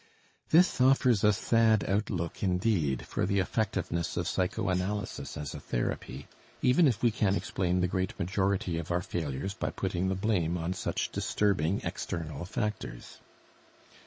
This offers a sad outlook indeed for the effectiveness of psychoanalysis as a therapy, even if we can explain the great majority of our failures by putting the blame on such disturbing external factors!